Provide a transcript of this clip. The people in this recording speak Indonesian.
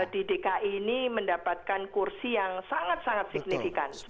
di dki ini mendapatkan kursi yang sangat sangat signifikan